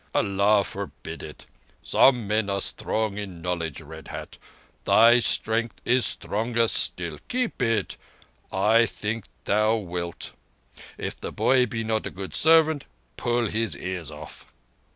"Allah forbid it! Some men are strong in knowledge, Red Hat. Thy strength is stronger still. Keep it—I think thou wilt. If the boy be not a good servant, pull his ears off."